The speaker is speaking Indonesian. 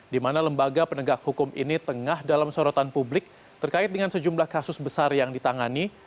di mana lembaga penegak hukum ini tengah dalam sorotan publik terkait dengan sejumlah kasus besar yang ditangani